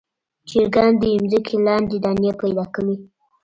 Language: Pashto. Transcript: چرګان د ځمکې لاندې دانې پیدا کوي.